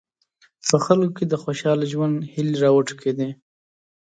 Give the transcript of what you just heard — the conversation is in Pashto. په خلکو کې د خوشاله ژوند هیلې راوټوکېدې.